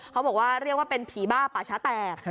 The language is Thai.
เขาบอกว่าเรียกเป็นผิบ้าป่าชะแปบ